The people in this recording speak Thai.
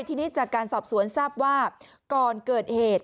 ทีนี้จากการสอบสวนทราบว่าก่อนเกิดเหตุ